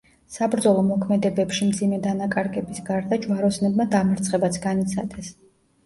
საბრძოლო მოქმედებებში მძიმე დანაკარგების გარდა ჯვაროსნებმა დამარცხებაც განიცადეს.